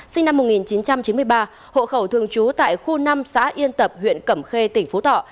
sinh năm một nghìn chín trăm chín mươi ba hộ khẩu thường trú tại khu năm xã yên tập huyện cẩm khê tỉnh phú thọ